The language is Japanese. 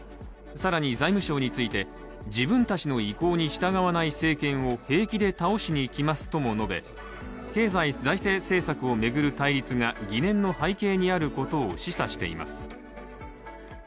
更に財務省について、自分たちの意向に従わない政権を平気で倒しに来ますとも述べ経済財政政策を巡る対立が疑念の背景にあることを示唆しています。